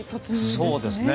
そうですね。